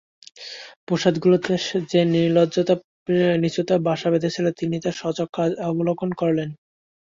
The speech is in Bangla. প্রাসাদগুলোতে যে নির্লজ্জতা ও নীচুতা বাসা বেঁধেছিল তিনি তা স্বচক্ষে অবলোকন করলেন।